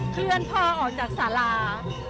เพื่อนพ่อออกจากสารา